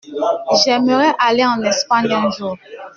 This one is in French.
J’aimerais aller en Espagne un jour.